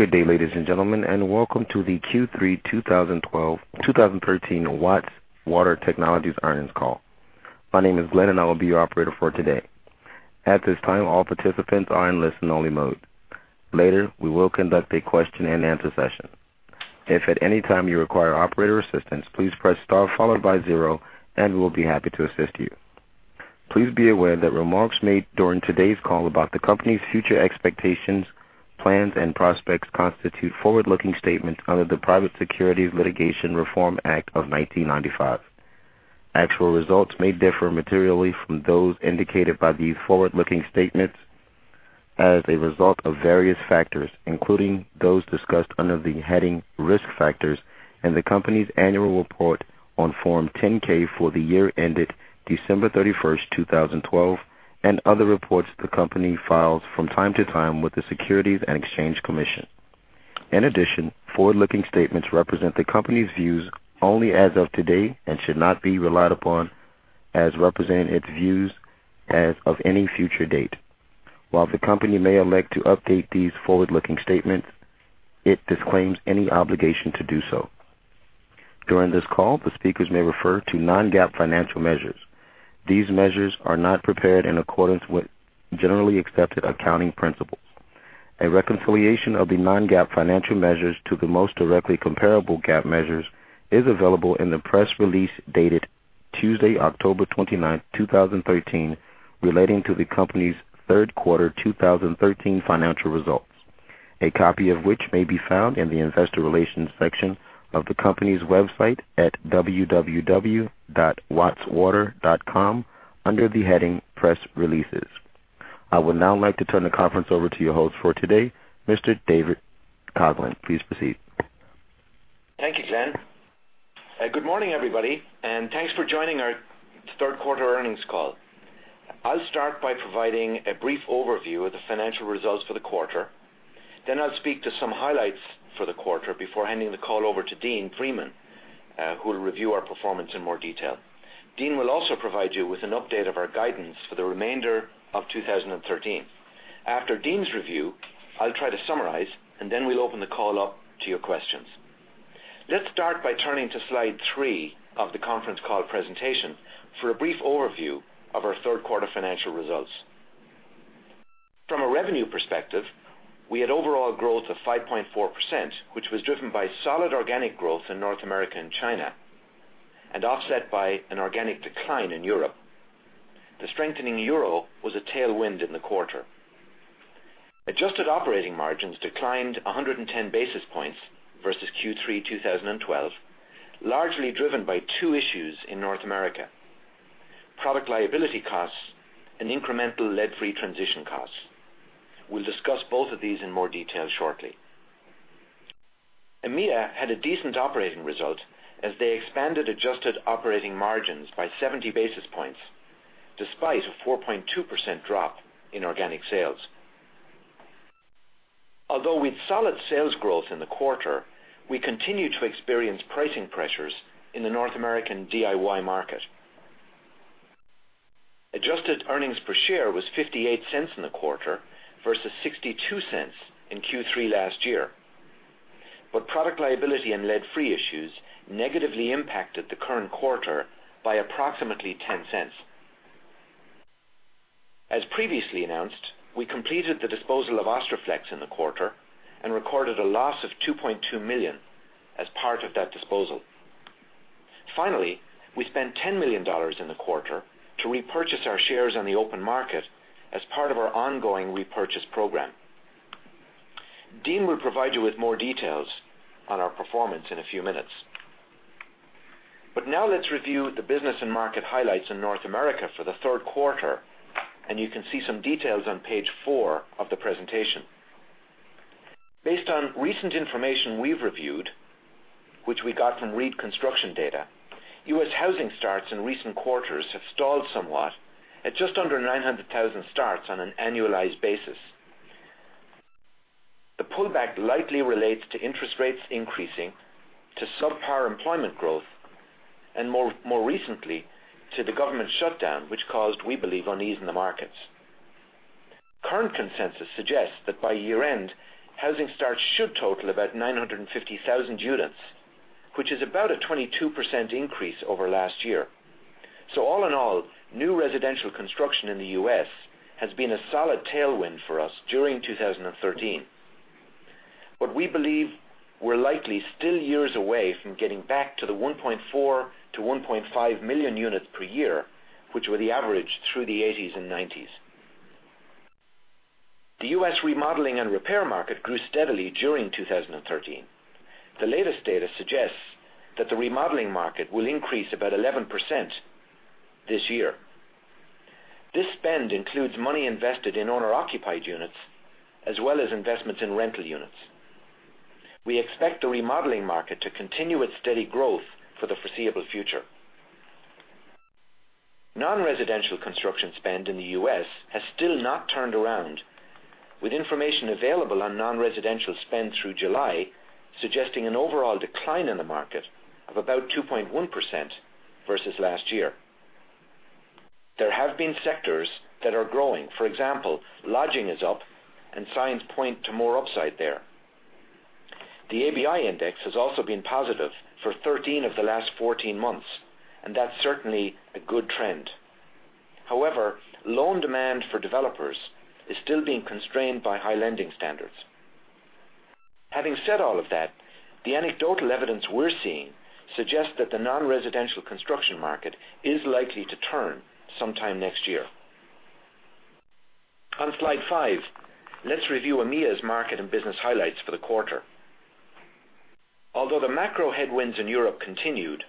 Good day, ladies and gentlemen, and welcome to the Q3 2013 Watts Water Technologies Earnings Call. My name is Glenn, and I will be your operator for today. At this time, all participants are in listen-only mode. Later, we will conduct a question-and-answer session. If at any time you require operator assistance, please press star followed by zero, and we'll be happy to assist you. Please be aware that remarks made during today's call about the company's future expectations, plans and prospects constitute forward-looking statements under the Private Securities Litigation Reform Act of 1995. Actual results may differ materially from those indicated by these forward-looking statements as a result of various factors, including those discussed under the heading Risk Factors in the company's Annual Report on Form 10-K for the year ended December 31st, 2012, and other reports the company files from time to time with the Securities and Exchange Commission. In addition, forward-looking statements represent the company's views only as of today and should not be relied upon as representing its views as of any future date. While the company may elect to update these forward-looking statements, it disclaims any obligation to do so. During this call, the speakers may refer to non-GAAP financial measures. These measures are not prepared in accordance with generally accepted accounting principles. A reconciliation of the non-GAAP financial measures to the most directly comparable GAAP measures is available in the press release dated Tuesday, October 29, 2013, relating to the company's third quarter 2013 financial results, a copy of which may be found in the Investor Relations section of the company's website at www.wattswater.com, under the heading Press Releases. I would now like to turn the conference over to your host for today, Mr. David Coghlan. Please proceed. Thank you, Glenn. Good morning, everybody, and thanks for joining our third quarter earnings call. I'll start by providing a brief overview of the financial results for the quarter. Then I'll speak to some highlights for the quarter before handing the call over to Dean Freeman, who will review our performance in more detail. Dean will also provide you with an update of our guidance for the remainder of 2013. After Dean's review, I'll try to summarize, and then we'll open the call up to your questions. Let's start by turning to slide three of the conference call presentation for a brief overview of our third quarter financial results. From a revenue perspective, we had overall growth of 5.4%, which was driven by solid organic growth in North America and China and offset by an organic decline in Europe. The strengthening euro was a tailwind in the quarter. Adjusted operating margins declined 110 basis points versus Q3 2012, largely driven by two issues in North America: product liability costs and incremental lead-free transition costs. We'll discuss both of these in more detail shortly. EMEA had a decent operating result as they expanded adjusted operating margins by 70 basis points, despite a 4.2% drop in organic sales. Although with solid sales growth in the quarter, we continued to experience pricing pressures in the North American DIY market. Adjusted earnings per share was $0.58 in the quarter versus $0.62 in Q3 last year. But product liability and lead-free issues negatively impacted the current quarter by approximately $0.10. As previously announced, we completed the disposal of Austroflex in the quarter and recorded a loss of $2.2 million as part of that disposal. Finally, we spent $10 million in the quarter to repurchase our shares on the open market as part of our ongoing repurchase program. Dean will provide you with more details on our performance in a few minutes. But now let's review the business and market highlights in North America for the third quarter, and you can see some details on page four of the presentation. Based on recent information we've reviewed, which we got from Reed Construction Data, U.S. housing starts in recent quarters have stalled somewhat at just under 900,000 starts on an annualized basis. The pullback likely relates to interest rates increasing, to subpar employment growth, and more, more recently, to the government shutdown, which caused, we believe, unease in the markets. Current consensus suggests that by year-end, housing starts should total about 950,000 units, which is about a 22% increase over last year. So all in all, new residential construction in the U.S. has been a solid tailwind for us during 2013. But we believe we're likely still years away from getting back to the 1.4-1 million units per year, which were the average through the eighties and nineties. The U.S. remodeling and repair market grew steadily during 2013. The latest data suggests that the remodeling market will increase about 11% this year. This spend includes money invested in owner-occupied units as well as investments in rental units. We expect the remodeling market to continue its steady growth for the foreseeable future. Non-residential construction spend in the U.S. has still not turned around, with information available on non-residential spend through July, suggesting an overall decline in the market of about 2.1% versus last year. There have been sectors that are growing. For example, lodging is up, and signs point to more upside there. The ABI index has also been positive for 13 of the last 14 months, and that's certainly a good trend. However, loan demand for developers is still being constrained by high lending standards. Having said all of that, the anecdotal evidence we're seeing suggests that the non-residential construction market is likely to turn sometime next year. On Slide five, let's review EMEA's market and business highlights for the quarter. Although the macro headwinds in Europe continued,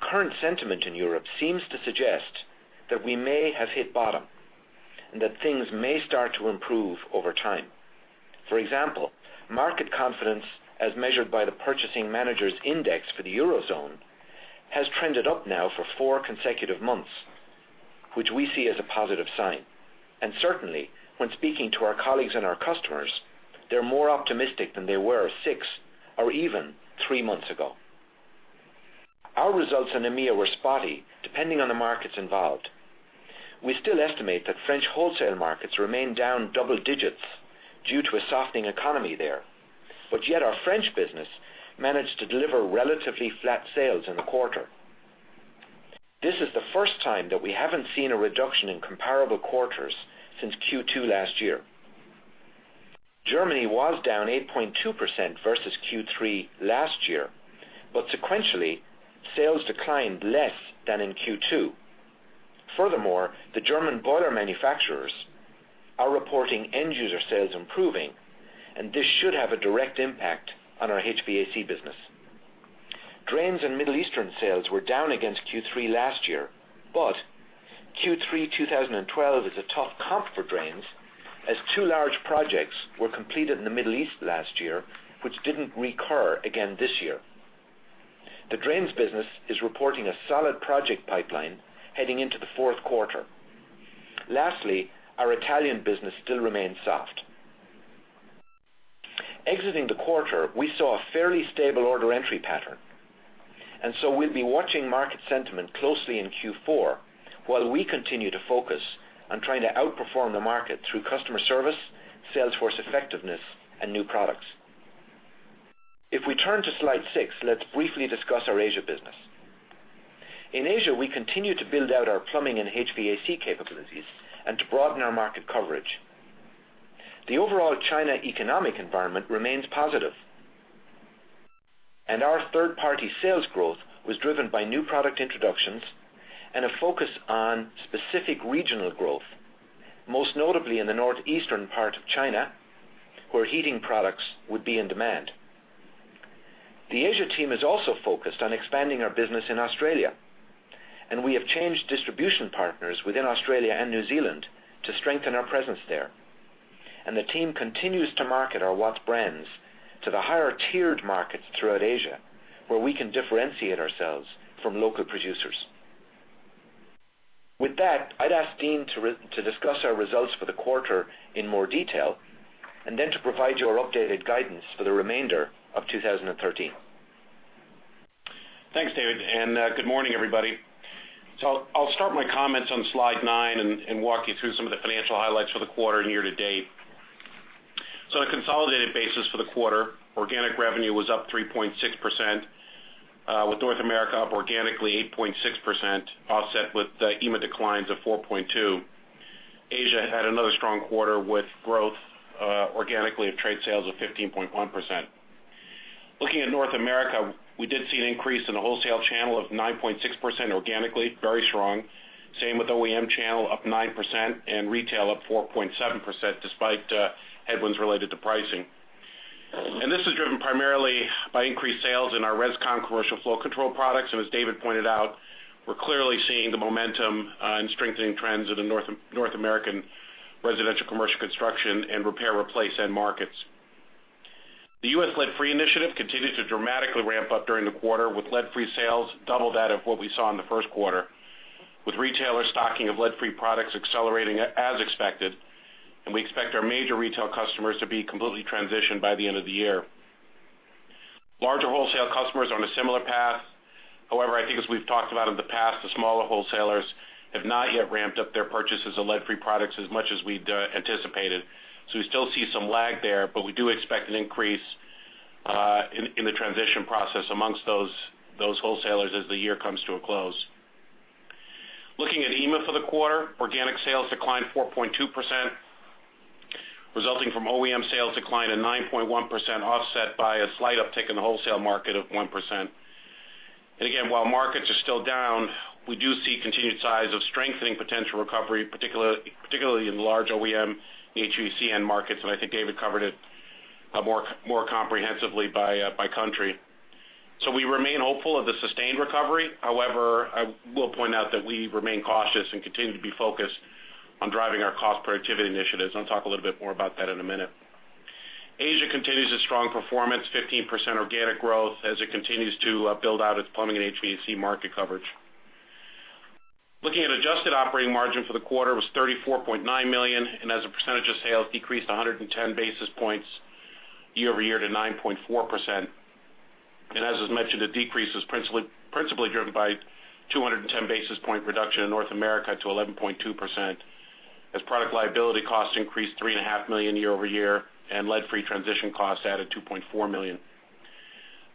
current sentiment in Europe seems to suggest that we may have hit bottom and that things may start to improve over time. For example, market confidence, as measured by the Purchasing Managers' Index for the Eurozone, has trended up now for four consecutive months, which we see as a positive sign. And certainly, when speaking to our colleagues and our customers, they're more optimistic than they were six or even three months ago. Our results in EMEA were spotty, depending on the markets involved. We still estimate that French wholesale markets remain down double digits due to a softening economy there, but yet our French business managed to deliver relatively flat sales in the quarter. This is the first time that we haven't seen a reduction in comparable quarters since Q2 last year. Germany was down 8.2% versus Q3 last year, but sequentially, sales declined less than in Q2. Furthermore, the German boiler manufacturers are reporting end user sales improving, and this should have a direct impact on our HVAC business. Drains and Middle Eastern sales were down against Q3 last year, but Q3 2012 is a tough comp for drains, as two large projects were completed in the Middle East last year, which didn't recur again this year. The drains business is reporting a solid project pipeline heading into the fourth quarter. Lastly, our Italian business still remains soft. Exiting the quarter, we saw a fairly stable order entry pattern, and so we'll be watching market sentiment closely in Q4, while we continue to focus on trying to outperform the market through customer service, sales force effectiveness, and new products. If we turn to Slide six, let's briefly discuss our Asia business. In Asia, we continue to build out our plumbing and HVAC capabilities and to broaden our market coverage. The overall China economic environment remains positive, and our third-party sales growth was driven by new product introductions and a focus on specific regional growth, most notably in the northeastern part of China, where heating products would be in demand. The Asia team is also focused on expanding our business in Australia, and we have changed distribution partners within Australia and New Zealand to strengthen our presence there. The team continues to market our Watts brands to the higher-tiered markets throughout Asia, where we can differentiate ourselves from local producers. With that, I'd ask Dean to discuss our results for the quarter in more detail and then to provide you our updated guidance for the remainder of 2013. Thanks, David, and good morning, everybody. So I'll start my comments on Slide nine and walk you through some of the financial highlights for the quarter and year to date. So on a consolidated basis for the quarter, organic revenue was up 3.6%, with North America up organically 8.6%, offset with the EMEA declines of 4.2%. Asia had another strong quarter, with growth organically of trade sales of 15.1%. Looking at North America, we did see an increase in the wholesale channel of 9.6% organically, very strong. Same with OEM channel, up 9%, and retail up 4.7%, despite headwinds related to pricing. And this is driven primarily by increased sales in our ResCom commercial flow control products. And as David pointed out, we're clearly seeing the momentum, and strengthening trends in the North American residential, commercial construction, and repair, replace end markets. The U.S. lead-free initiative continued to dramatically ramp up during the quarter, with lead-free sales double that of what we saw in the first quarter, with retailers stocking of lead-free products accelerating as expected, and we expect our major retail customers to be completely transitioned by the end of the year. Larger wholesale customers are on a similar path. However, I think as we've talked about in the past, the smaller wholesalers have not yet ramped up their purchases of lead-free products as much as we'd anticipated. So we still see some lag there, but we do expect an increase in the transition process amongst those wholesalers as the year comes to a close. Looking at EMEA for the quarter, organic sales declined 4.2%, resulting from OEM sales decline of 9.1%, offset by a slight uptick in the wholesale market of 1%. And again, while markets are still down, we do see continued signs of strengthening potential recovery, particularly, particularly in the large OEM HVAC end markets, and I think David covered it more comprehensively by country. So we remain hopeful of the sustained recovery. However, I will point out that we remain cautious and continue to be focused on driving our cost productivity initiatives, and I'll talk a little bit more about that in a minute. Asia continues its strong performance, 15% organic growth, as it continues to build out its plumbing and HVAC market coverage. Looking at adjusted operating margin for the quarter, it was $34.9 million, and as a percentage of sales, decreased 110 basis points year-over-year to 9.4%.... As is mentioned, the decrease is principally driven by 210 basis point reduction in North America to 11.2%, as product liability costs increased $3.5 million year-over-year, and lead-free transition costs added $2.4 million.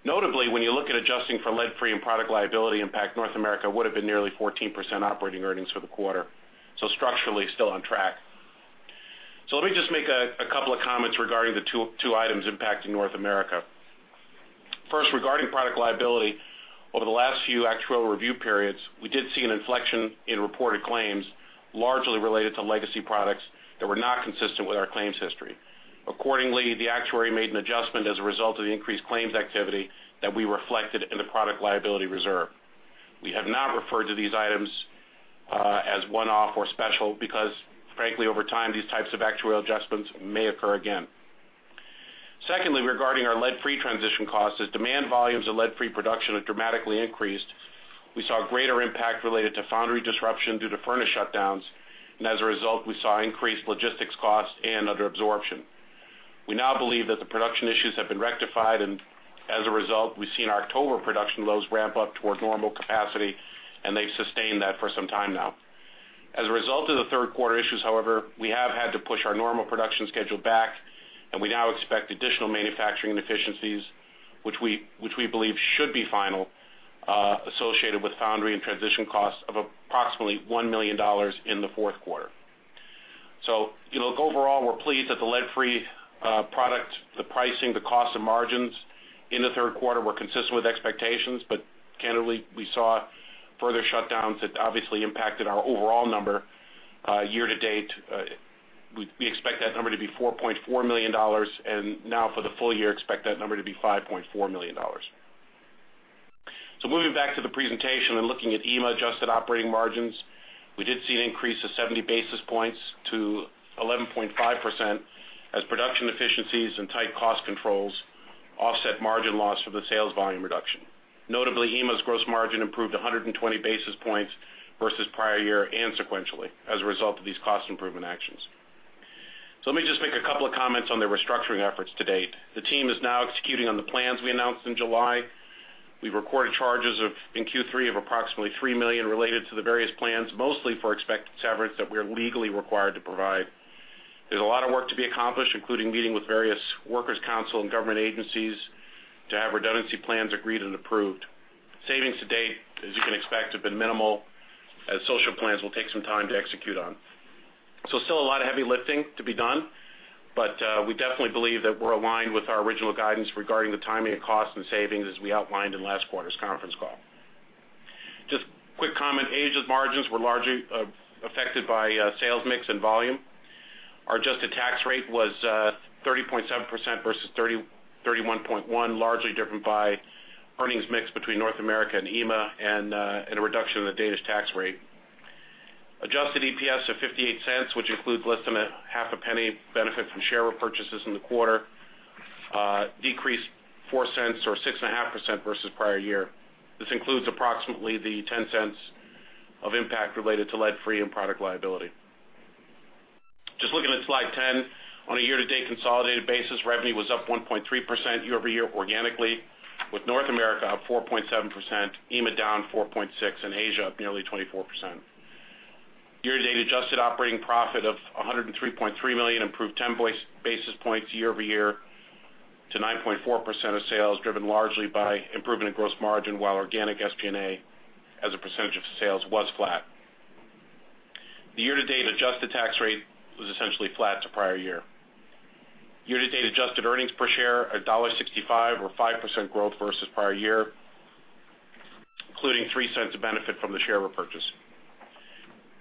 Notably, when you look at adjusting for lead-free and product liability impact, North America would have been nearly 14% operating earnings for the quarter, so structurally still on track. So let me just make a couple of comments regarding the two items impacting North America. First, regarding product liability, over the last few actuarial review periods, we did see an inflection in reported claims, largely related to legacy products that were not consistent with our claims history. Accordingly, the actuary made an adjustment as a result of the increased claims activity that we reflected in the product liability reserve. We have not referred to these items as one-off or special because, frankly, over time, these types of actuarial adjustments may occur again. Secondly, regarding our lead-free transition costs, as demand volumes of lead-free production have dramatically increased, we saw a greater impact related to foundry disruption due to furnace shutdowns, and as a result, we saw increased logistics costs and under absorption. We now believe that the production issues have been rectified, and as a result, we've seen October production lows ramp up toward normal capacity, and they've sustained that for some time now. As a result of the third quarter issues, however, we have had to push our normal production schedule back, and we now expect additional manufacturing inefficiencies, which we believe should be final, associated with foundry and transition costs of approximately $1 million in the fourth quarter. So look, overall, we're pleased that the lead-free product, the pricing, the cost of margins in the third quarter were consistent with expectations, but candidly, we saw further shutdowns that obviously impacted our overall number. Year-to-date, we expect that number to be $4.4 million, and now for the full year, expect that number to be $5.4 million. So moving back to the presentation and looking at EMEA adjusted operating margins, we did see an increase of 70 basis points to 11.5% as production efficiencies and tight cost controls offset margin loss for the sales volume reduction. Notably, EMEA's gross margin improved 120 basis points versus prior year and sequentially as a result of these cost improvement actions. So let me just make a couple of comments on the restructuring efforts to date. The team is now executing on the plans we announced in July. We've recorded charges of, in Q3, of approximately $3 million related to the various plans, mostly for expected severance that we are legally required to provide. There's a lot of work to be accomplished, including meeting with various works councils and government agencies to have redundancy plans agreed and approved. Savings to date, as you can expect, have been minimal, as social plans will take some time to execute on. So still a lot of heavy lifting to be done, but we definitely believe that we're aligned with our original guidance regarding the timing of costs and savings as we outlined in last quarter's conference call. Just a quick comment, Asia's margins were largely affected by sales mix and volume. Our adjusted tax rate was 30.7% versus 31.1, largely different by earnings mix between North America and EMEA and a reduction in the Danish tax rate. Adjusted EPS of $0.58, which includes less than $0.005 benefit from share repurchases in the quarter, decreased $0.04 or 6.5% versus prior year. This includes approximately $0.10 of impact related to lead-free and product liability. Just looking at slide 10. On a year-to-date consolidated basis, revenue was up 1.3% year-over-year organically, with North America up 4.7%, EMEA down 4.6%, and Asia up nearly 24%. Year-to-date adjusted operating profit of $103.3 million, improved 10 basis points year-over-year to 9.4% of sales, driven largely by improvement in gross margin, while organic SPNA, as a percentage of sales, was flat. The year-to-date adjusted tax rate was essentially flat to prior year. Year-to-date adjusted earnings per share, $1.65 or 5% growth versus prior year, including $0.03 of benefit from the share repurchase.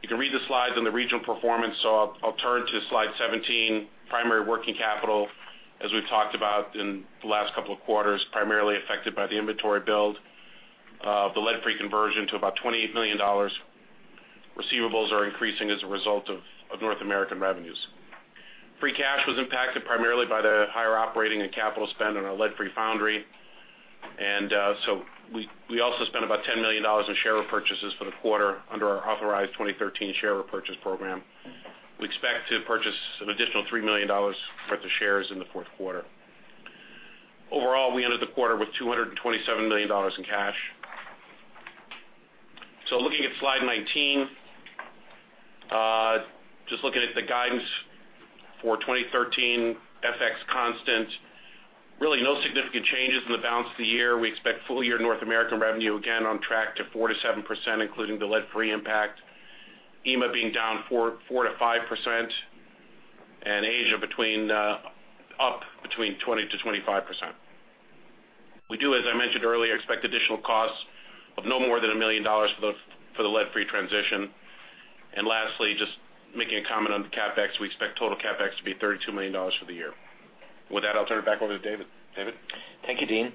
You can read the slides on the regional performance, so I'll, I'll turn to slide 17. Primary working capital, as we've talked about in the last couple of quarters, primarily affected by the inventory build of the lead-free conversion to about $28 million. Receivables are increasing as a result of North American revenues. Free cash was impacted primarily by the higher operating and capital spend on our lead-free foundry. So we also spent about $10 million in share repurchases for the quarter under our authorized 2013 share repurchase program. We expect to purchase an additional $3 million worth of shares in the fourth quarter. Overall, we ended the quarter with $227 million in cash. So looking at slide 19, just looking at the guidance for 2013, FX constant, really no significant changes in the balance of the year. We expect full-year North American revenue, again, on track to 4%-7%, including the lead-free impact, EMEA being down 4%-5%, and Asia between up 20%-25%. We do, as I mentioned earlier, expect additional costs of no more than $1 million for the lead-free transition. Lastly, just making a comment on the CapEx. We expect total CapEx to be $32 million for the year. With that, I'll turn it back over to David. David? Thank you, Dean.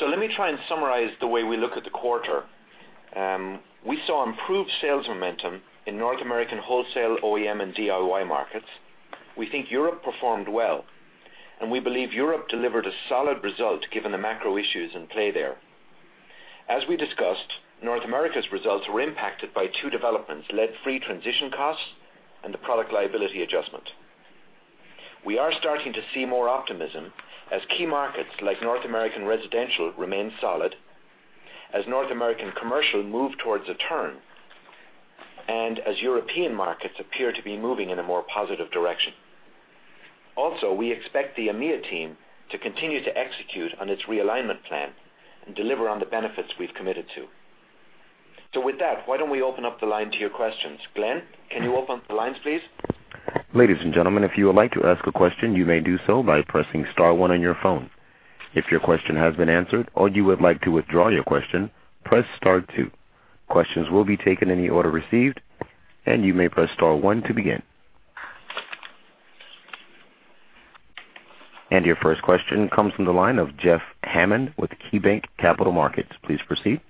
So let me try and summarize the way we look at the quarter. We saw improved sales momentum in North American wholesale, OEM, and DIY markets. We think Europe performed well, and we believe Europe delivered a solid result given the macro issues in play there. As we discussed, North America's results were impacted by two developments: lead-free transition costs and the product liability adjustment. We are starting to see more optimism as key markets like North American residential remain solid, as North American commercial move towards a turn, and as European markets appear to be moving in a more positive direction. Also, we expect the EMEA team to continue to execute on its realignment plan and deliver on the benefits we've committed to. So with that, why don't we open up the line to your questions? Glenn, can you open up the lines, please? Ladies and gentlemen, if you would like to ask a question, you may do so by pressing star one on your phone. If your question has been answered or you would like to withdraw your question, press star two. Questions will be taken in the order received, and you may press star one to begin. Your first question comes from the line of Jeff Hammond with KeyBanc Capital Markets. Please proceed.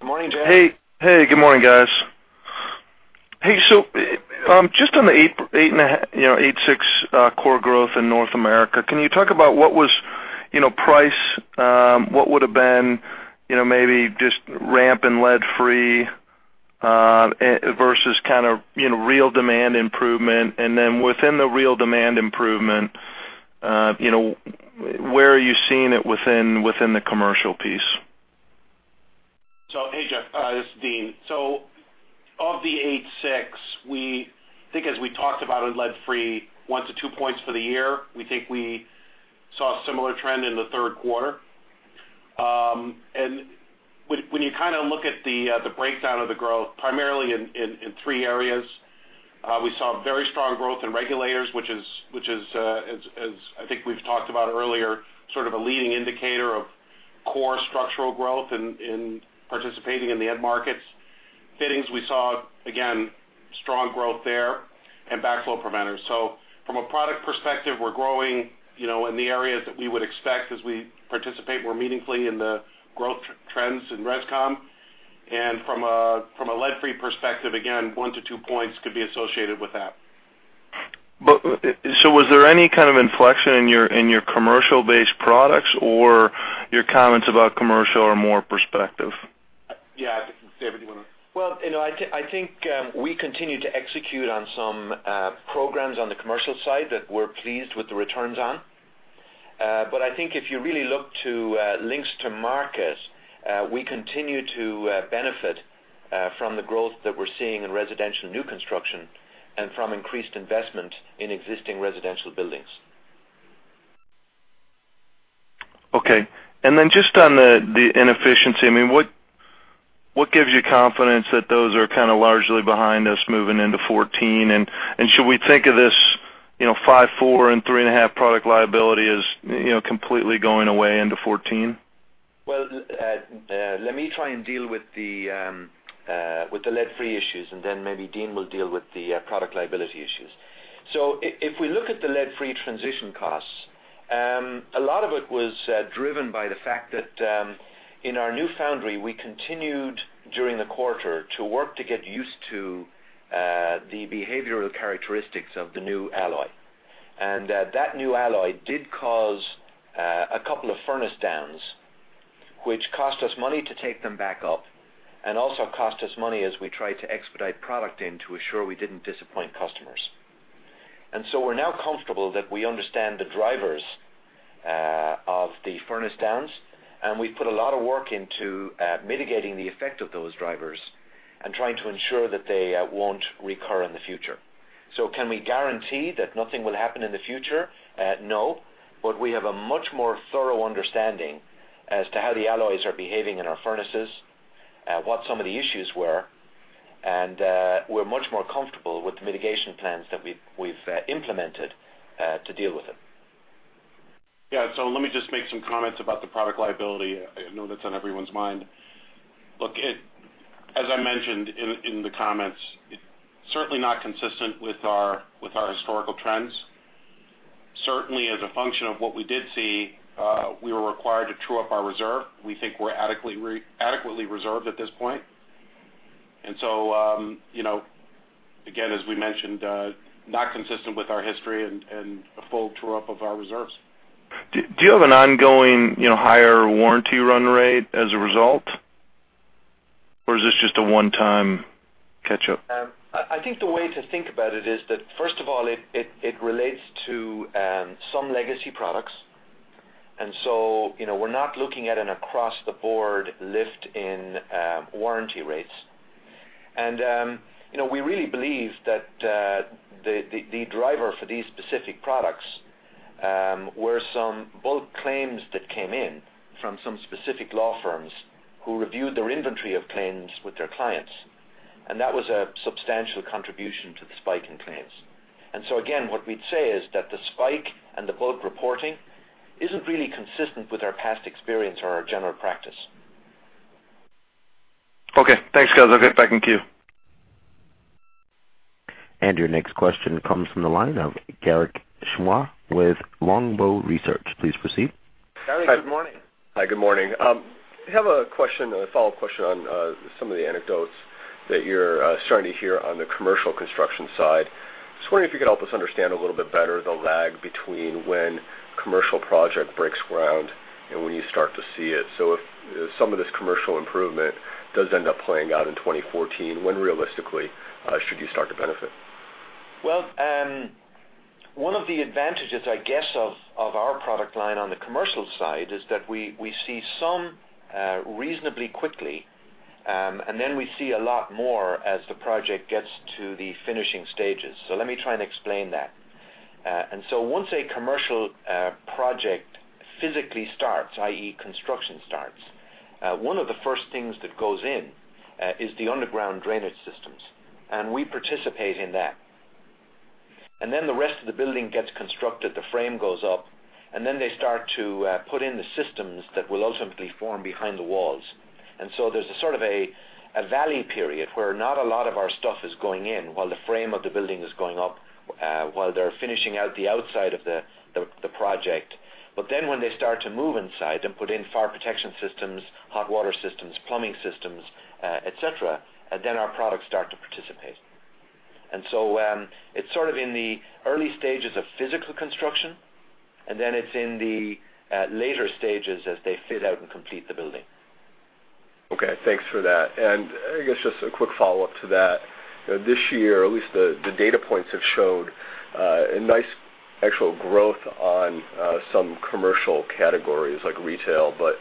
Good morning, Jeff. Hey, hey, good morning, guys. Hey, so just on the 8.8 and 8.6 core growth in North America, can you talk about what was, you know, price, what would have been, you know, maybe just ramp and lead-free versus kind of, you know, real demand improvement? And then within the real demand improvement, you know, where are you seeing it within the commercial piece? So, hey, Jeff, this is Dean. So of the 8.6, we think as we talked about in lead-free, 1-2 points for the year, we think we saw a similar trend in the third quarter. And when you kind of look at the breakdown of the growth, primarily in three areas, we saw very strong growth in regulators, which is, as I think we've talked about earlier, sort of a leading indicator of core structural growth in participating in the end markets. Fittings, we saw, again, strong growth there and backflow preventers. So from a product perspective, we're growing, you know, in the areas that we would expect as we participate more meaningfully in the growth trends in ResCom. From a lead-free perspective, again, 1-2 points could be associated with that. So, was there any kind of inflection in your commercial-based products, or your comments about commercial or more perspective? Yeah, David, do you want to... Well, you know, I think we continue to execute on some programs on the commercial side that we're pleased with the returns on. But I think if you really look to links to markets, we continue to benefit from the growth that we're seeing in residential new construction and from increased investment in existing residential buildings. Okay. And then just on the, the inefficiency, I mean, what, what gives you confidence that those are kind of largely behind us moving into 2014? And, and should we think of this, you know, 5, 4, and 3.5 product liability as, you know, completely going away into 2014? Well, let me try and deal with the lead-free issues, and then maybe Dean will deal with the product liability issues. So if we look at the lead-free transition costs, a lot of it was driven by the fact that in our new foundry, we continued, during the quarter, to work to get used to the behavioral characteristics of the new alloy. And that new alloy did cause a couple of furnace downs, which cost us money to take them back up and also cost us money as we tried to expedite product in to ensure we didn't disappoint customers. And so we're now comfortable that we understand the drivers of the furnace downs, and we've put a lot of work into mitigating the effect of those drivers and trying to ensure that they won't recur in the future. So can we guarantee that nothing will happen in the future? No, but we have a much more thorough understanding as to how the alloys are behaving in our furnaces, what some of the issues were, and we're much more comfortable with the mitigation plans that we've implemented to deal with it. Yeah, so let me just make some comments about the product liability. I know that's on everyone's mind. Look, it, as I mentioned in the comments, it's certainly not consistent with our historical trends. Certainly, as a function of what we did see, we were required to true up our reserve. We think we're adequately reserved at this point. And so, you know, again, as we mentioned, not consistent with our history and a full true-up of our reserves. Do you have an ongoing, you know, higher warranty run rate as a result, or is this just a one-time catch-up? I think the way to think about it is that, first of all, it relates to some legacy products. And so, you know, we're not looking at an across-the-board lift in warranty rates. And you know, we really believe that the driver for these specific products were some bulk claims that came in from some specific law firms who reviewed their inventory of claims with their clients, and that was a substantial contribution to the spike in claims. And so again, what we'd say is that the spike and the bulk reporting isn't really consistent with our past experience or our general practice. Okay, thanks, guys. I'll get back in queue. Your next question comes from the line of Garik Shmois with Longbow Research. Please proceed. Garrick, good morning. Hi, good morning. I have a question, a follow-up question on some of the anecdotes that you're starting to hear on the commercial construction side. Just wondering if you could help us understand a little bit better the lag between when commercial project breaks ground and when you start to see it? So if some of this commercial improvement does end up playing out in 2014, when realistically should you start to benefit? Well, one of the advantages, I guess, of our product line on the commercial side, is that we see some reasonably quickly, and then we see a lot more as the project gets to the finishing stages. So let me try and explain that. And so once a commercial project physically starts, i.e., construction starts, one of the first things that goes in is the underground drainage systems, and we participate in that. And then the rest of the building gets constructed, the frame goes up, and then they start to put in the systems that will ultimately form behind the walls. There's a sort of a valley period where not a lot of our stuff is going in while the frame of the building is going up, while they're finishing out the outside of the project. But then when they start to move inside and put in fire protection systems, hot water systems, plumbing systems, et cetera, then our products start to participate. It's sort of in the early stages of physical construction, and then it's in the later stages as they fit out and complete the building. Okay, thanks for that. I guess just a quick follow-up to that. This year, at least the data points have showed a nice actual growth on some commercial categories like retail, but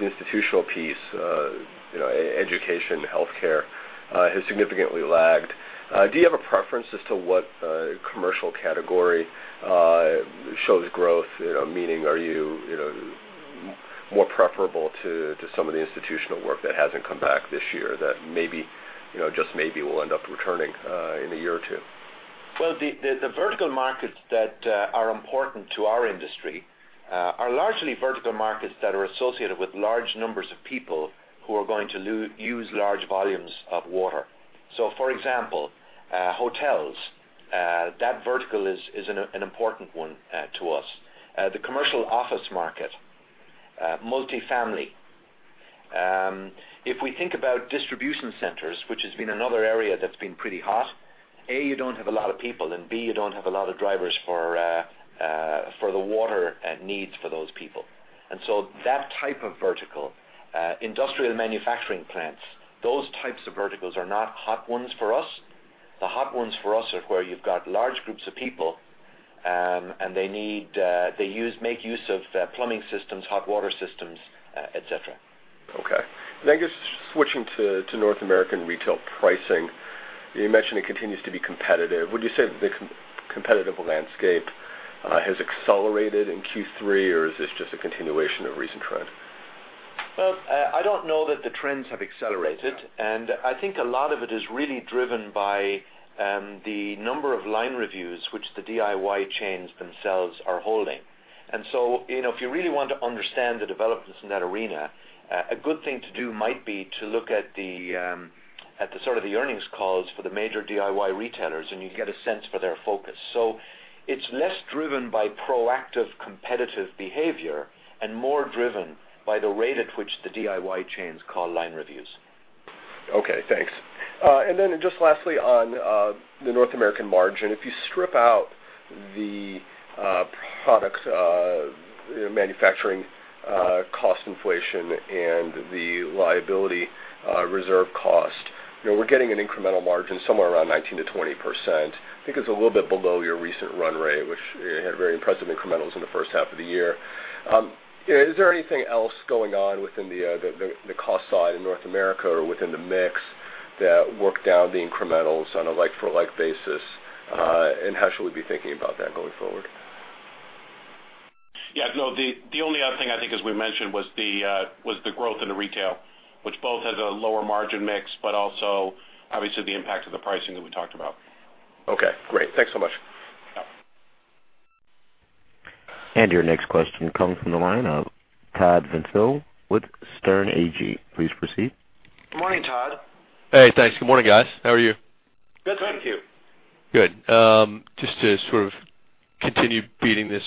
the institutional piece, you know, education, healthcare, has significantly lagged. Do you have a preference as to what commercial category shows growth? You know, meaning, are you, you know, more preferable to some of the institutional work that hasn't come back this year, that maybe, you know, just maybe, will end up returning in a year or two? Well, the vertical markets that are important to our industry are largely vertical markets that are associated with large numbers of people who are going to use large volumes of water. So for example, hotels, that vertical is an important one to us. The commercial office market, multifamily. If we think about distribution centers, which has been another area that's been pretty hot, A, you don't have a lot of people, and B, you don't have a lot of drivers for the water needs for those people. And so that type of vertical, industrial manufacturing plants, those types of verticals are not hot ones for us. The hot ones for us are where you've got large groups of people, and they need, they make use of, plumbing systems, hot water systems, et cetera. Okay. Then I guess, switching to North American retail pricing, you mentioned it continues to be competitive. Would you say the competitive landscape has accelerated in Q3, or is this just a continuation of recent trend? Well, I don't know that the trends have accelerated, and I think a lot of it is really driven by the number of line reviews which the DIY chains themselves are holding. So, you know, if you really want to understand the developments in that arena, a good thing to do might be to look at the sort of the earnings calls for the major DIY retailers, and you get a sense for their focus. So it's less driven by proactive, competitive behavior and more driven by the rate at which the DIY chains call line reviews. Okay, thanks. And then just lastly, on the North American margin, if you strip out the products manufacturing cost inflation and the liability reserve cost, you know, we're getting an incremental margin somewhere around 19%-20%. I think it's a little bit below your recent run rate, which you had very impressive incrementals in the first half of the year. Is there anything else going on within the cost side in North America or within the mix, that worked down the incrementals on a like-for-like basis? And how should we be thinking about that going forward? Yeah, no, the only other thing I think, as we mentioned, was the growth in the retail, which both has a lower margin mix, but also, obviously, the impact of the pricing that we talked about. Okay, great. Thanks so much. Yeah. Your next question comes from the line of Todd Vencil with Sterne Agee. Please proceed. Good morning, Todd. Hey, thanks. Good morning, guys. How are you? Good, thank you. Good. Just to sort of continue beating this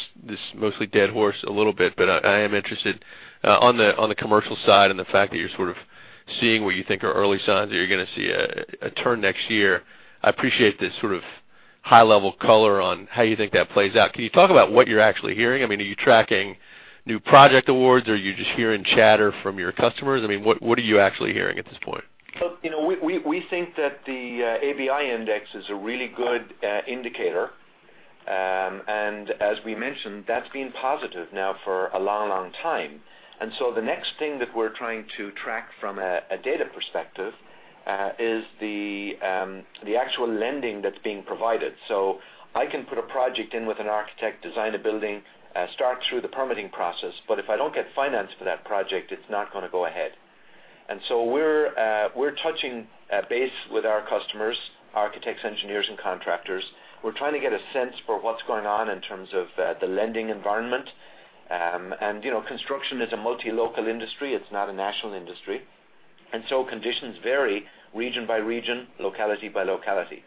mostly dead horse a little bit, but I am interested on the commercial side and the fact that you're sort of seeing what you think are early signs that you're gonna see a turn next year. I appreciate this sort of high-level color on how you think that plays out. Can you talk about what you're actually hearing? I mean, are you tracking new project awards, or are you just hearing chatter from your customers? I mean, what are you actually hearing at this point? So, you know, we think that the ABI Index is a really good indicator. And as we mentioned, that's been positive now for a long, long time. And so the next thing that we're trying to track from a data perspective is the actual lending that's being provided. So I can put a project in with an architect, design a building, start through the permitting process, but if I don't get financed for that project, it's not gonna go ahead. And so we're touching base with our customers, architects, engineers, and contractors. We're trying to get a sense for what's going on in terms of the lending environment. And, you know, construction is a multi-local industry. It's not a national industry, and so conditions vary region by region, locality by locality.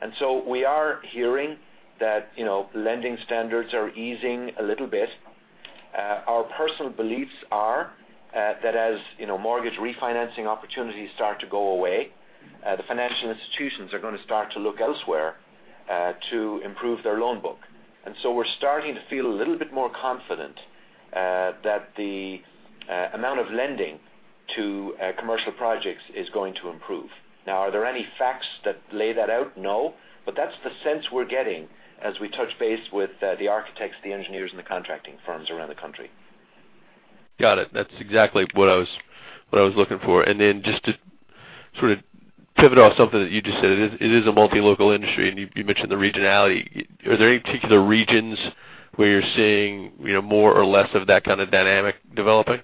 And so we are hearing that, you know, lending standards are easing a little bit. Our personal beliefs are, that as, you know, mortgage refinancing opportunities start to go away, the financial institutions are gonna start to look elsewhere, to improve their loan book. And so we're starting to feel a little bit more confident, that the, amount of lending to, commercial projects is going to improve. Now, are there any facts that lay that out? No, but that's the sense we're getting as we touch base with, the architects, the engineers, and the contracting firms around the country. Got it. That's exactly what I was looking for. And then just to sort of pivot off something that you just said, it is a multi-local industry, and you mentioned the regionality. Are there any particular regions where you're seeing, you know, more or less of that kind of dynamic developing?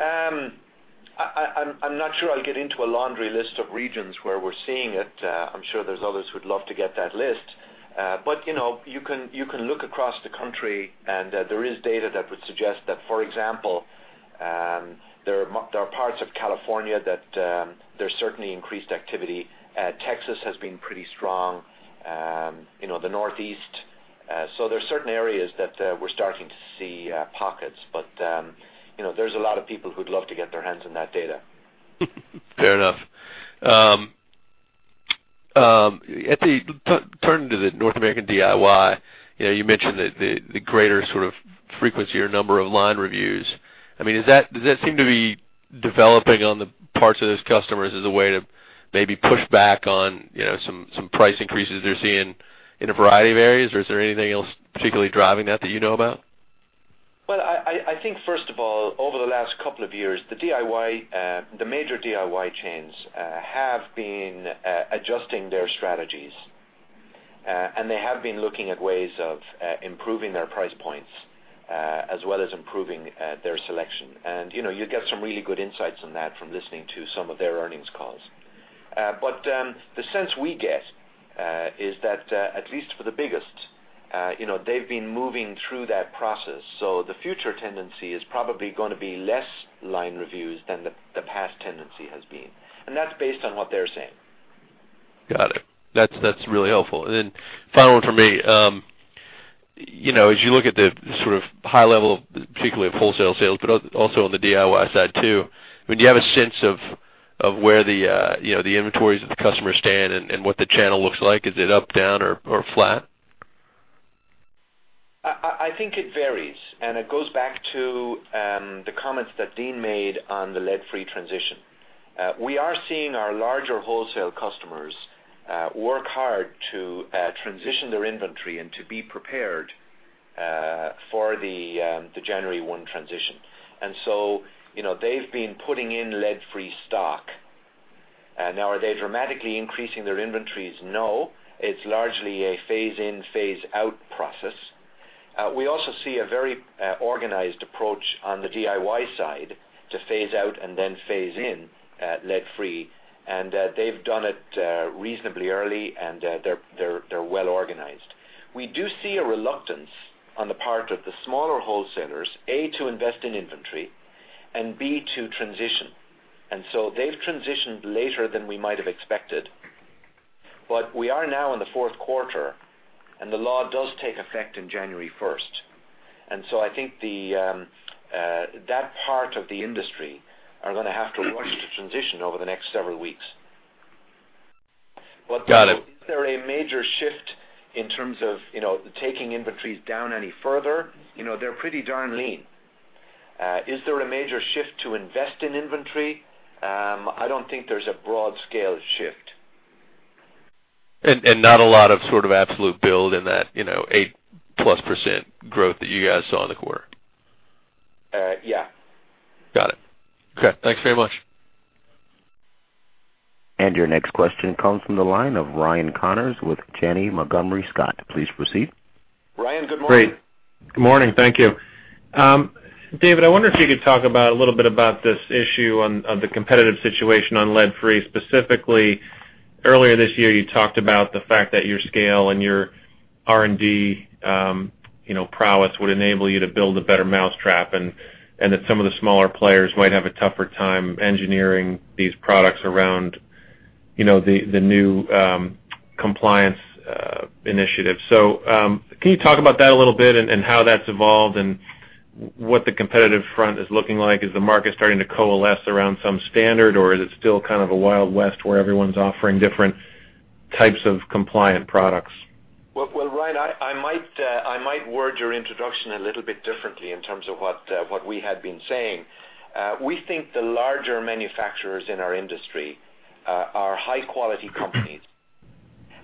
I'm not sure I'll get into a laundry list of regions where we're seeing it. I'm sure there's others who'd love to get that list. But you know, you can look across the country, and there is data that would suggest that, for example, there are parts of California that there's certainly increased activity. Texas has been pretty strong, you know, the Northeast. So there are certain areas that we're starting to see pockets, but you know, there's a lot of people who'd love to get their hands on that data. Fair enough. Turning to the North American DIY, you know, you mentioned that the greater sort of frequency or number of line reviews. I mean, does that seem to be developing on the parts of those customers as a way to maybe push back on, you know, some price increases they're seeing in a variety of areas? Or is there anything else particularly driving that you know about? Well, I think, first of all, over the last couple of years, the DIY, the major DIY chains, have been adjusting their strategies, and they have been looking at ways of improving their price points, as well as improving their selection. And, you know, you get some really good insights on that from listening to some of their earnings calls. But, the sense we get is that, at least for the biggest, you know, they've been moving through that process. So the future tendency is probably gonna be less line reviews than the past tendency has been. And that's based on what they're saying. Got it. That's, that's really helpful. And then final one for me, you know, as you look at the sort of high level, particularly of wholesale sales, but also on the DIY side, too, when you have a sense of where the, you know, the inventories of the customer stand and what the channel looks like, is it up, down, or flat? I think it varies, and it goes back to the comments that Dean made on the lead-free transition. We are seeing our larger wholesale customers work hard to transition their inventory and to be prepared for the January 1 transition. And so, you know, they've been putting in lead-free stock. Now, are they dramatically increasing their inventories? No. It's largely a phase in, phase out process. We also see a very organized approach on the DIY side to phase out and then phase in lead-free, and they've done it reasonably early, and they're well organized. We do see a reluctance on the part of the smaller wholesalers, A, to invest in inventory, and B, to transition. And so they've transitioned later than we might have expected. But we are now in the fourth quarter, and the law does take effect in January first. And so I think the, that part of the industry are gonna have to rush to transition over the next several weeks. Got it. But is there a major shift in terms of, you know, taking inventories down any further? You know, they're pretty darn lean. Is there a major shift to invest in inventory? I don't think there's a broad-scale shift. And not a lot of sort of absolute build in that, you know, 8%+ growth that you guys saw in the quarter? Uh, yeah. Got it. Okay. Thanks very much. Your next question comes from the line of Ryan Connors with Janney Montgomery Scott. Please proceed. Ryan, good morning. Great. Good morning. Thank you. David, I wonder if you could talk about a little bit about this issue of the competitive situation on lead-free. Specifically, earlier this year, you talked about the fact that your scale and your R&D, you know, prowess would enable you to build a better mousetrap, and that some of the smaller players might have a tougher time engineering these products around, you know, the new, compliance, initiative. So, can you talk about that a little bit and how that's evolved and what the competitive front is looking like? Is the market starting to coalesce around some standard, or is it still kind of a Wild West, where everyone's offering different types of compliant products? Well, Ryan, I might word your introduction a little bit differently in terms of what we had been saying. We think the larger manufacturers in our industry are high-quality companies,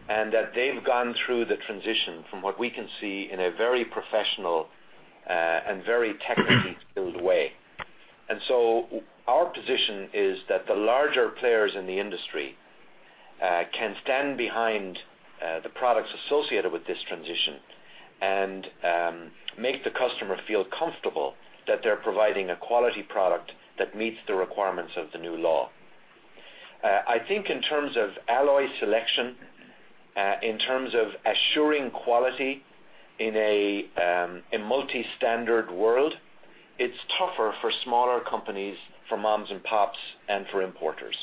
and that they've gone through the transition from what we can see, in a very professional and very technically skilled way. And so our position is that the larger players in the industry can stand behind the products associated with this transition and make the customer feel comfortable that they're providing a quality product that meets the requirements of the new law. I think in terms of alloy selection, in terms of assuring quality in a multi-standard world, it's tougher for smaller companies, for moms and pops, and for importers.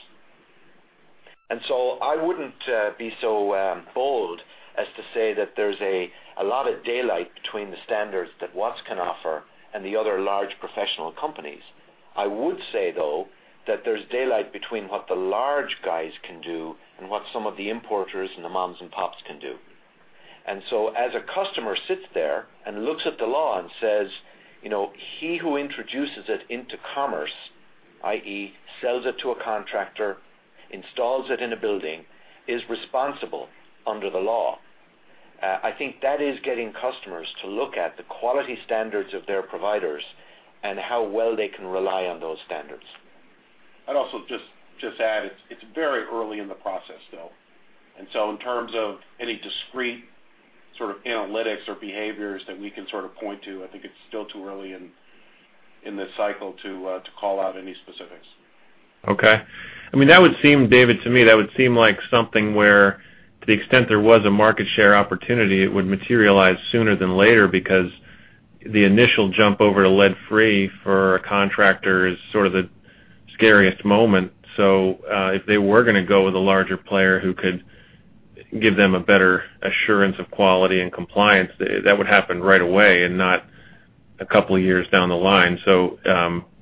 So I wouldn't be so bold as to say that there's a lot of daylight between the standards that Watts can offer and the other large professional companies. I would say, though, that there's daylight between what the large guys can do and what some of the importers and the moms and pops can do. As a customer sits there and looks at the law and says, you know, he who introduces it into commerce, i.e., sells it to a contractor, installs it in a building, is responsible under the law. I think that is getting customers to look at the quality standards of their providers and how well they can rely on those standards. I'd also just add, it's very early in the process, though. And so in terms of any discrete sort of analytics or behaviors that we can sort of point to, I think it's still too early in this cycle to call out any specifics. Okay. I mean, that would seem, David, to me, that would seem like something where, to the extent there was a market share opportunity, it would materialize sooner than later because the initial jump over to lead-free for a contractor is sort of the scariest moment. So, if they were gonna go with a larger player who could give them a better assurance of quality and compliance, that would happen right away and not a couple of years down the line. So,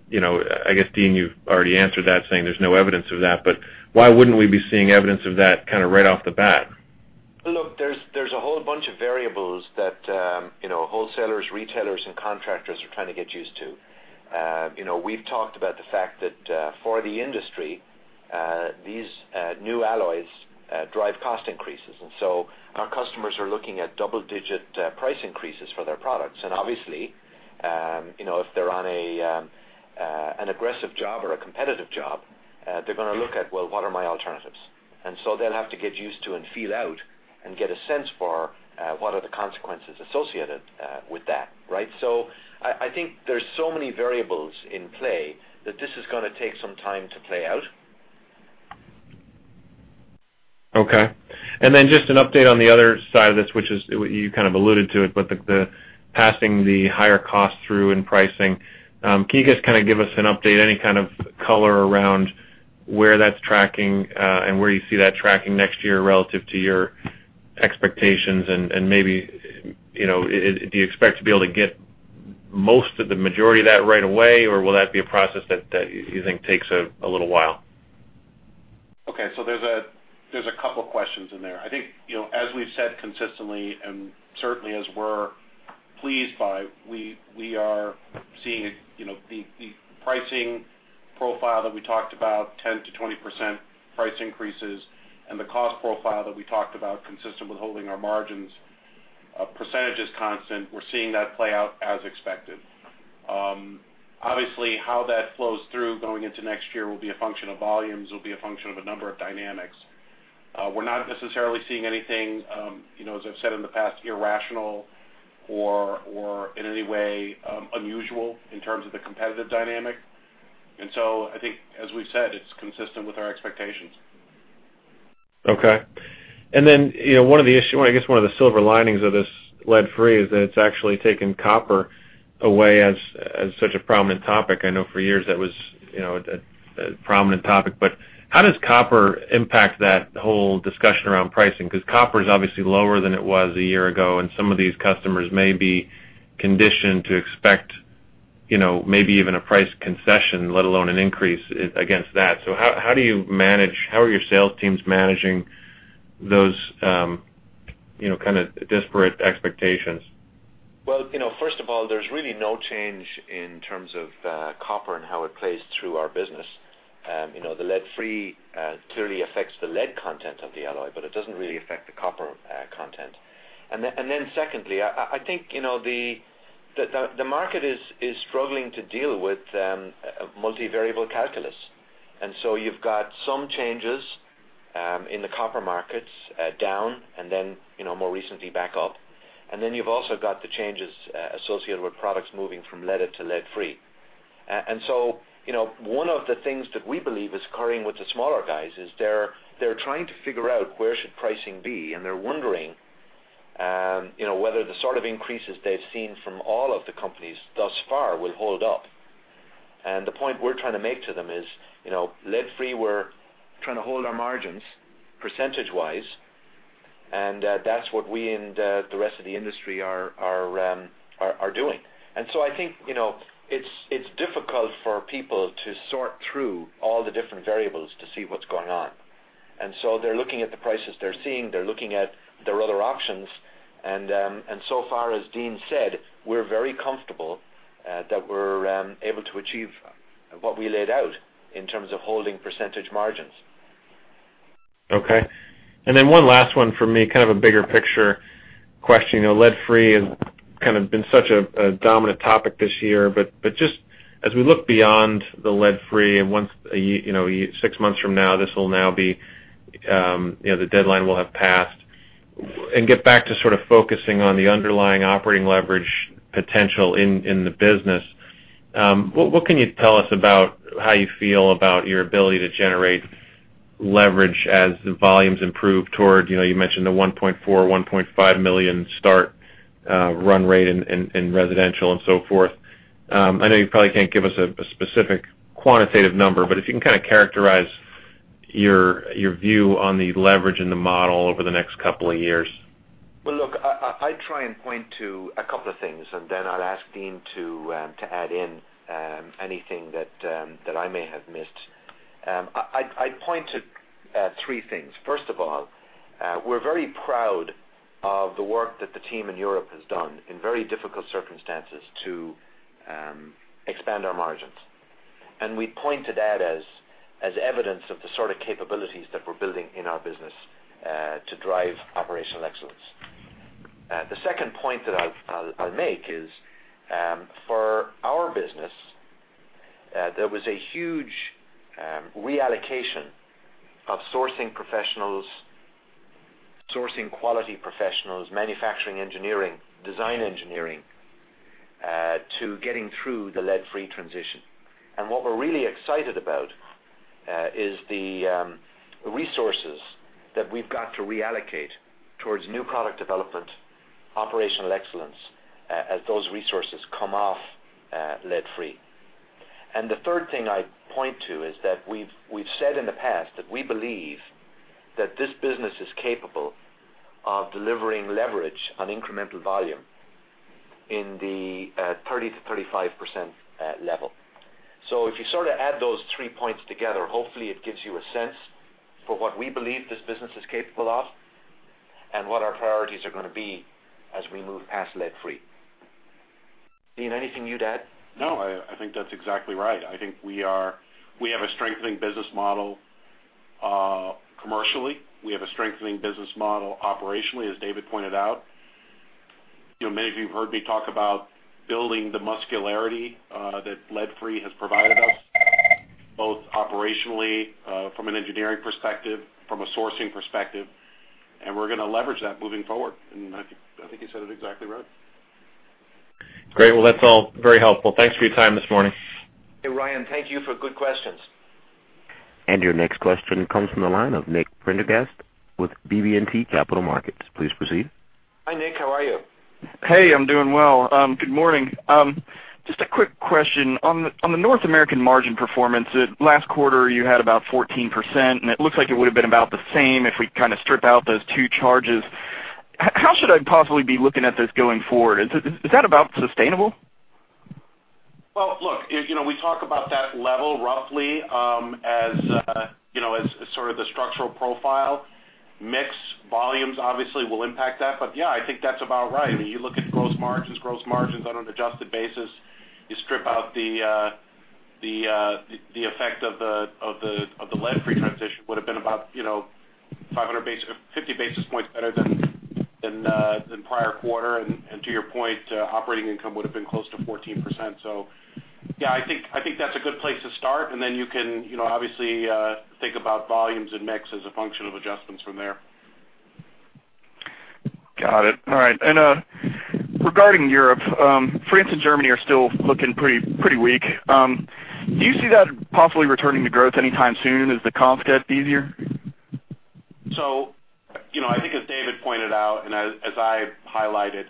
you know, I guess, Dean, you've already answered that, saying there's no evidence of that, but why wouldn't we be seeing evidence of that kind of right off the bat? Look, there's, there's a whole bunch of variables that, you know, wholesalers, retailers, and contractors are trying to get used to. You know, we've talked about the fact that, for the industry, these new alloys drive cost increases. And so our customers are looking at double-digit price increases for their products. And obviously, you know, if they're on a, an aggressive job or a competitive job, they're gonna look at, Well, what are my alternatives? And so they'll have to get used to and feel out and get a sense for, what are the consequences associated with that, right? So I, I think there's so many variables in play that this is gonna take some time to play out. Okay. And then just an update on the other side of this, which is, you kind of alluded to it, but the passing the higher cost through in pricing. Can you just kind of give us an update, any kind of color around where that's tracking, and where you see that tracking next year relative to your expectations? And maybe, you know, do you expect to be able to get most of the majority of that right away, or will that be a process that you think takes a little while? Okay, so there's a, there's a couple questions in there. I think, you know, as we've said consistently, and certainly as we're pleased by, we, we are seeing, you know, the, the pricing profile that we talked about, 10%-20% price increases, and the cost profile that we talked about, consistent with holding our margins percentages constant, we're seeing that play out as expected. Obviously, how that flows through going into next year will be a function of volumes, will be a function of a number of dynamics. We're not necessarily seeing anything, you know, as I've said in the past, irrational or, or in any way, unusual in terms of the competitive dynamic. And so I think, as we've said, it's consistent with our expectations. Okay. And then, you know, I guess, one of the silver linings of this lead-free is that it's actually taken copper away as such a prominent topic. I know for years that was, you know, a prominent topic. But how does copper impact that whole discussion around pricing? Because copper is obviously lower than it was a year ago, and some of these customers may be conditioned to expect, you know, maybe even a price concession, let alone an increase against that. So how do you manage—how are your sales teams managing those, you know, kind of disparate expectations? Well, you know, first of all, there's really no change in terms of copper and how it plays through our business. You know, the lead-free clearly affects the lead content of the alloy, but it doesn't really affect the copper content. And then secondly, I think, you know, the market is struggling to deal with a multivariable calculus. And so you've got some changes in the copper markets down, and then, you know, more recently, back up. And then you've also got the changes associated with products moving from leaded to lead-free. And so, you know, one of the things that we believe is occurring with the smaller guys is they're trying to figure out where should pricing be, and they're wondering, you know, whether the sort of increases they've seen from all of the companies thus far will hold up. And the point we're trying to make to them is, you know, lead-free, we're trying to hold our margins percentage-wise, and that's what we and the rest of the industry are doing. And so I think, you know, it's difficult for people to sort through all the different variables to see what's going on. And so they're looking at the prices they're seeing, they're looking at their other options, and so far, as Dean said, we're very comfortable that we're able to achieve what we laid out in terms of holding percentage margins. Okay. And then one last one for me, kind of a bigger picture question. You know, lead-free has kind of been such a dominant topic this year, but, but just as we look beyond the lead-free and once, you know, six months from now, this will now be, you know, the deadline will have passed, and get back to sort of focusing on the underlying operating leverage potential in, in the business, what can you tell us about how you feel about your ability to generate leverage as the volumes improve toward, you know, you mentioned the 1.4, 1.5 million start run rate in, in residential and so forth? I know you probably can't give us a specific quantitative number, but if you can kind of characterize-... your view on the leverage in the model over the next couple of years? Well, look, I'd try and point to a couple of things, and then I'll ask Dean to add in anything that I may have missed. I'd point to three things. First of all, we're very proud of the work that the team in Europe has done in very difficult circumstances to expand our margins. And we point to that as evidence of the sort of capabilities that we're building in our business to drive operational excellence. The second point that I'll make is, for our business, there was a huge reallocation of sourcing professionals, sourcing quality professionals, manufacturing, engineering, design engineering to getting through the lead-free transition. And what we're really excited about is the resources that we've got to reallocate towards new product development, operational excellence, as those resources come off lead-free. And the third thing I'd point to is that we've said in the past that we believe that this business is capable of delivering leverage on incremental volume in the 30%-35% level. So if you sort of add those three points together, hopefully, it gives you a sense for what we believe this business is capable of and what our priorities are gonna be as we move past lead-free. Dean, anything you'd add? No, I, I think that's exactly right. I think we are—we have a strengthening business model, commercially. We have a strengthening business model operationally, as David pointed out. You know, many of you heard me talk about building the muscularity that lead-free has provided us, both operationally, from an engineering perspective, from a sourcing perspective, and we're gonna leverage that moving forward. And I think, I think you said it exactly right. Great. Well, that's all very helpful. Thanks for your time this morning. Hey, Ryan, thank you for good questions. Your next question comes from the line of Nick Prendergast with BB&T Capital Markets. Please proceed. Hi, Nick, how are you? Hey, I'm doing well. Good morning. Just a quick question, on the North American margin performance, last quarter, you had about 14%, and it looks like it would have been about the same if we kinda strip out those two charges. How should I possibly be looking at this going forward? Is that about sustainable? Well, look, you know, we talk about that level roughly, as, you know, as sort of the structural profile. Mix, volumes, obviously, will impact that, but yeah, I think that's about right. I mean, you look at gross margins, gross margins on an adjusted basis, you strip out the, the, the effect of the, of the, of the lead-free transition would have been about, you know, 50 basis points better than, than, prior quarter. And, to your point, operating income would have been close to 14%. So yeah, I think, I think that's a good place to start, and then you can, you know, obviously, think about volumes and mix as a function of adjustments from there. Got it. All right. And, regarding Europe, France and Germany are still looking pretty, pretty weak. Do you see that possibly returning to growth anytime soon as the comps get easier? So, you know, I think as David pointed out, and as I highlighted,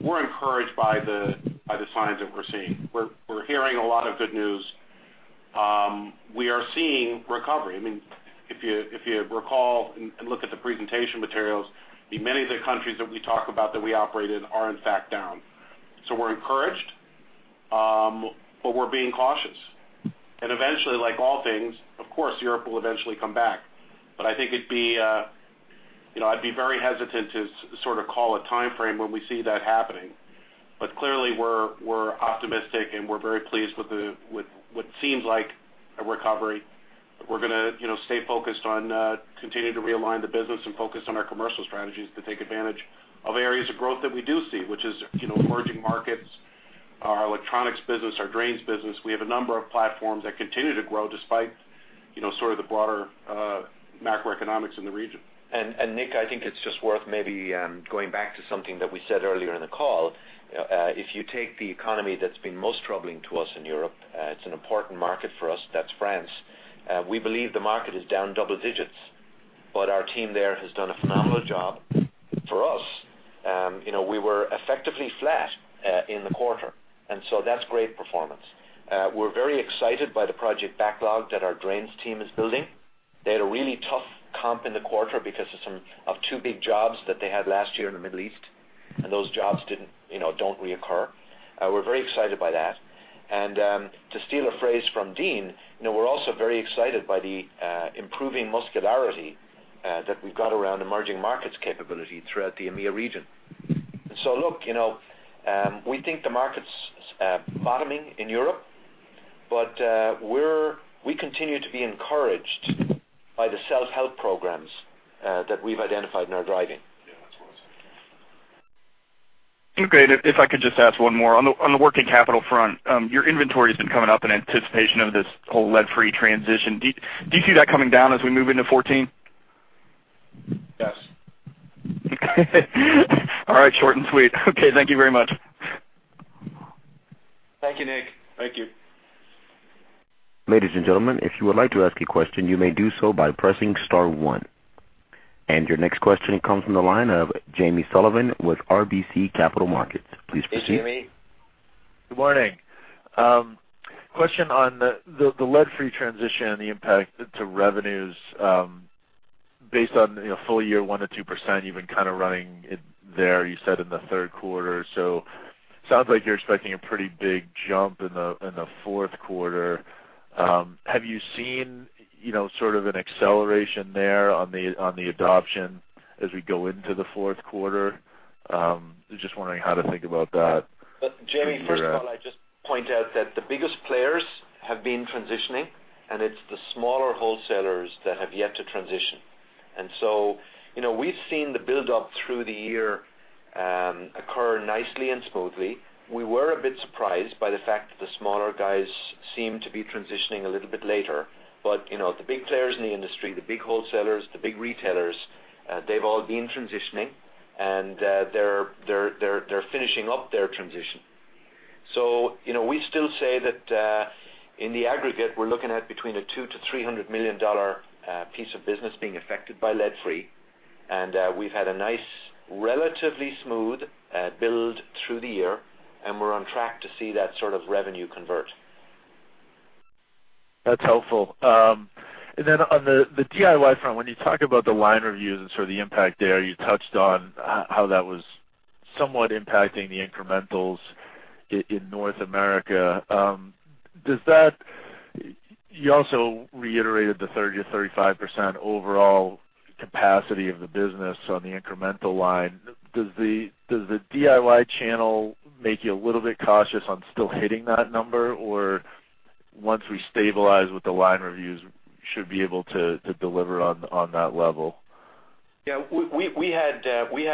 we're encouraged by the signs that we're seeing. We're hearing a lot of good news. We are seeing recovery. I mean, if you recall and look at the presentation materials, many of the countries that we talk about that we operate in are in fact down. So we're encouraged, but we're being cautious. Eventually, like all things, of course, Europe will eventually come back. But I think it'd be, you know, I'd be very hesitant to sort of call a timeframe when we see that happening. But clearly, we're optimistic, and we're very pleased with what seems like a recovery. We're gonna, you know, stay focused on, continuing to realign the business and focus on our commercial strategies to take advantage of areas of growth that we do see, which is, you know, emerging markets, our electronics business, our drains business. We have a number of platforms that continue to grow despite, you know, sort of the broader, macroeconomics in the region. Nick, I think it's just worth maybe going back to something that we said earlier in the call. If you take the economy that's been most troubling to us in Europe, it's an important market for us, that's France. We believe the market is down double digits, but our team there has done a phenomenal job for us. You know, we were effectively flat in the quarter, and so that's great performance. We're very excited by the project backlog that our drains team is building. They had a really tough comp in the quarter because of some of two big jobs that they had last year in the Middle East, and those jobs didn't, you know, don't reoccur. We're very excited by that. To steal a phrase from Dean, you know, we're also very excited by the improving muscularity that we've got around emerging markets capability throughout the EMEA region. So look, you know, we think the market's bottoming in Europe, but we continue to be encouraged by the self-help programs that we've identified in our driving. Yeah, that's what I said. Okay. If I could just ask one more. On the working capital front, your inventory has been coming up in anticipation of this whole lead-free transition. Do you see that coming down as we move into 2014? Yes. All right. Short and sweet. Okay, thank you very much. Thank you, Nick. Thank you. Ladies and gentlemen, if you would like to ask a question, you may do so by pressing star one. And your next question comes from the line of Jamie Sullivan with RBC Capital Markets. Please proceed.... Good morning. Question on the lead-free transition and the impact to revenues, based on, you know, full year, 1%-2%, you've been kind of running it there, you said, in the third quarter. So sounds like you're expecting a pretty big jump in the fourth quarter. Have you seen, you know, sort of an acceleration there on the adoption as we go into the fourth quarter? Just wondering how to think about that. But Jamie, first of all, I'd just point out that the biggest players have been transitioning, and it's the smaller wholesalers that have yet to transition. And so, you know, we've seen the build-up through the year occur nicely and smoothly. We were a bit surprised by the fact that the smaller guys seem to be transitioning a little bit later. But, you know, the big players in the industry, the big wholesalers, the big retailers, they've all been transitioning, and they're finishing up their transition. So, you know, we still say that in the aggregate, we're looking at between a $200 million-$300 million piece of business being affected by lead-free. We've had a nice, relatively smooth build through the year, and we're on track to see that sort of revenue convert. That's helpful. And then on the DIY front, when you talk about the line reviews and sort of the impact there, you touched on how that was somewhat impacting the incrementals in North America. Does that... You also reiterated the 30%-35% overall capacity of the business on the incremental line. Does the DIY channel make you a little bit cautious on still hitting that number? Or once we stabilize with the line reviews, should be able to deliver on that level? Yeah, we had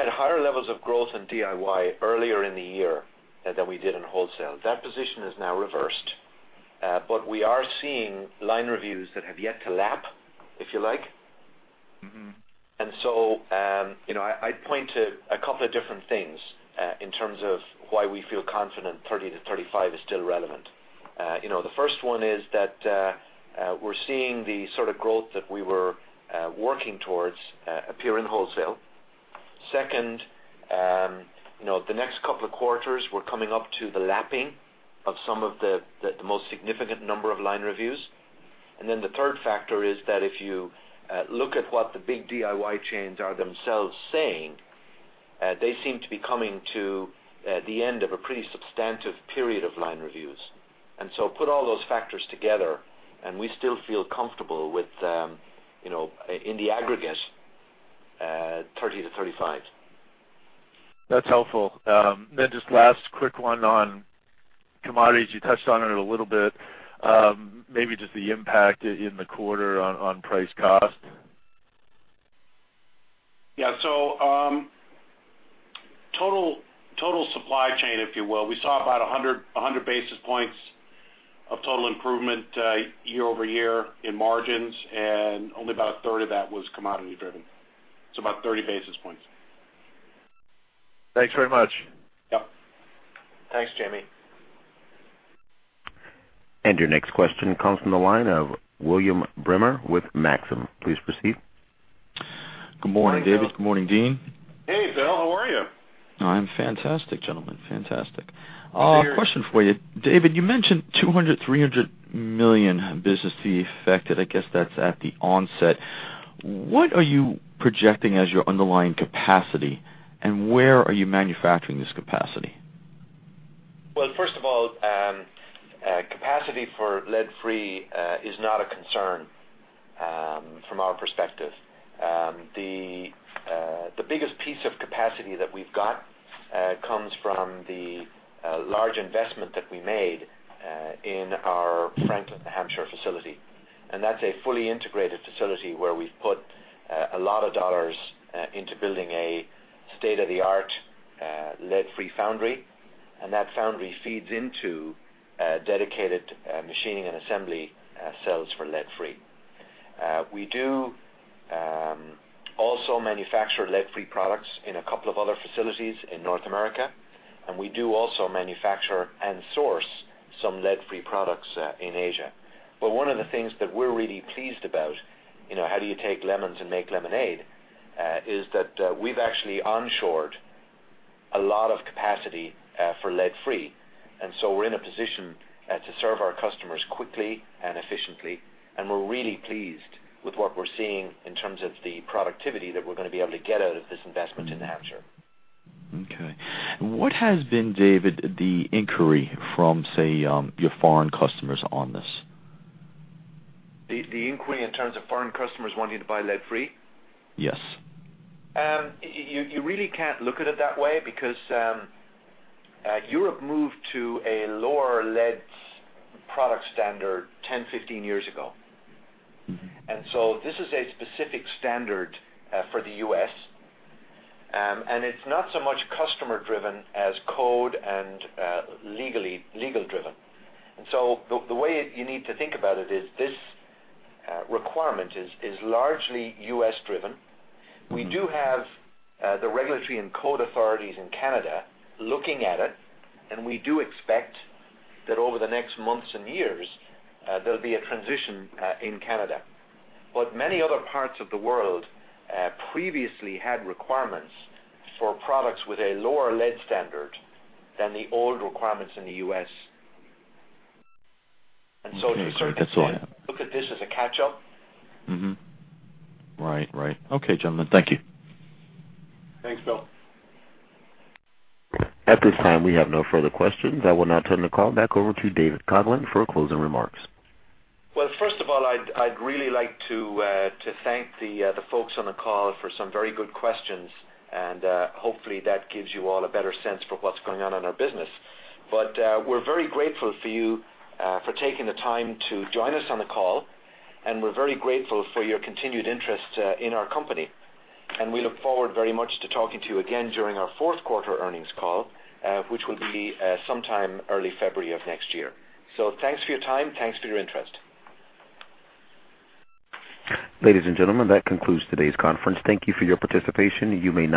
higher levels of growth in DIY earlier in the year than we did in wholesale. That position is now reversed. But we are seeing line reviews that have yet to lap, if you like. Mm-hmm. And so, you know, I'd point to a couple of different things in terms of why we feel confident 30-35 is still relevant. You know, the first one is that we're seeing the sort of growth that we were working towards appear in wholesale. Second, you know, the next couple of quarters, we're coming up to the lapping of some of the most significant number of line reviews. And then the third factor is that if you look at what the big DIY chains are themselves saying, they seem to be coming to the end of a pretty substantive period of line reviews. And so put all those factors together, and we still feel comfortable with, you know, in the aggregate, 30-35. That's helpful. Then just last quick one on commodities. You touched on it a little bit. Maybe just the impact in the quarter on price cost. Yeah. So, total supply chain, if you will. We saw about 100 basis points of total improvement year-over-year in margins, and only about a third of that was commodity driven. So about 30 basis points. Thanks very much. Yep. Thanks, Jamie. Your next question comes from the line of William Bremer with Maxim. Please proceed. Good morning, David. Good morning, Dean. Hey, Bill, how are you? I'm fantastic, gentlemen, fantastic. Question for you. David, you mentioned $200-$300 million business to be affected. I guess that's at the onset. What are you projecting as your underlying capacity, and where are you manufacturing this capacity? Well, first of all, capacity for lead-free is not a concern from our perspective. The biggest piece of capacity that we've got comes from the large investment that we made in our Franklin, New Hampshire facility. And that's a fully integrated facility where we've put a lot of dollars into building a state-of-the-art lead-free foundry, and that foundry feeds into dedicated machining and assembly cells for lead-free. We do also manufacture lead-free products in a couple of other facilities in North America, and we do also manufacture and source some lead-free products in Asia. But one of the things that we're really pleased about, you know, how do you take lemons and make lemonade, is that we've actually onshored a lot of capacity for lead-free. And so we're in a position to serve our customers quickly and efficiently, and we're really pleased with what we're seeing in terms of the productivity that we're going to be able to get out of this investment in Hampshire. Okay. And what has been, David, the inquiry from, say, your foreign customers on this? The inquiry in terms of foreign customers wanting to buy lead-free? Yes. You really can't look at it that way because Europe moved to a lower lead product standard 10, 15 years ago. Mm-hmm. And so this is a specific standard for the US, and it's not so much customer driven as code and legally legal driven. And so the way you need to think about it is, this requirement is largely US driven. Mm-hmm. We do have the regulatory and code authorities in Canada looking at it, and we do expect that over the next months and years, there'll be a transition in Canada. But many other parts of the world previously had requirements for products with a lower lead standard than the old requirements in the U.S. Okay, that's all I have. And so you sort of look at this as a catch-up. Mm-hmm. Right. Right. Okay, gentlemen. Thank you. Thanks, Will. At this time, we have no further questions. I will now turn the call back over to David Coghlan for closing remarks. Well, first of all, I'd really like to thank the folks on the call for some very good questions, and hopefully, that gives you all a better sense for what's going on in our business. But, we're very grateful for you for taking the time to join us on the call, and we're very grateful for your continued interest in our company. And we look forward very much to talking to you again during our fourth quarter earnings call, which will be sometime early February of next year. So thanks for your time. Thanks for your interest. Ladies and gentlemen, that concludes today's conference. Thank you for your participation. You may disconnect.